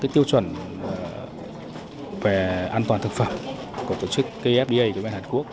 tiêu chuẩn về an toàn thực phẩm của tổ chức kfda của bên hàn quốc